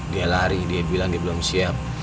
dia lari dia bilang dia belum siap